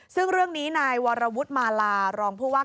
ซึ่งเรื่องนี้นายวรวุฒิมาลารองผู้ว่า